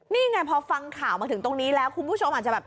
นี่ไงพอฟังข่าวมาถึงตรงนี้แล้วคุณผู้ชมอาจจะแบบ